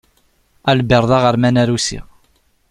Albert d aɣerman arusi.